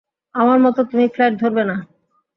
আমার মত, তুমি ফ্লাইট ধরবে না।